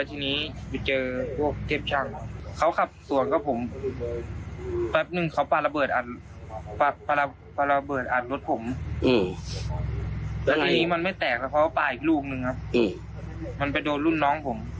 แล้วทีนี้มันไม่แตกแล้วเพราะว่าปลาอีกลูกนึงครับมันไปโดนรุ่นน้องผม